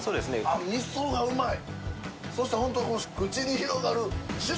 味噌がうまい。